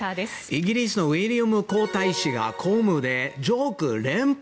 イギリスのウィリアム皇太子が公務でジョーク連発。